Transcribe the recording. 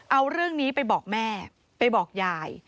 เอาเรื่องนี้ไปบอกแม่ไปบอกยาย